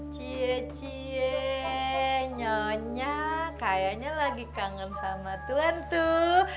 cie cie nyonya kayaknya lagi kangen sama tuan tuh